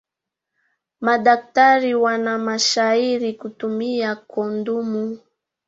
Madaktari wanashairi kutumia kondomu